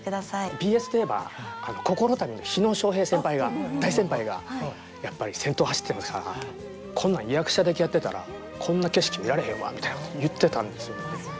ＢＳといえば「こころ旅」の火野正平先輩が大先輩がやっぱり先頭走ってますから「こんなん役者だけやってたらこんな景色見られへんわ」みたいなこと言ってたんですよね。